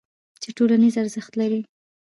چې ټولنیز ارزښت لري.